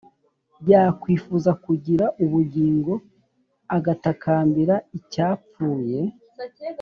yakwifuza kugira ubugingo, agatakambira icyapfuye;